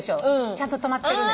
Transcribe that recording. ちゃんと止まってるね。